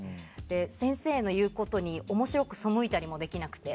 先生の言うことに面白く背いたりもできなくて。